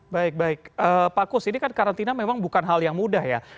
baik baik pak kus ini kan karantina memang bukan hal yang mudah ya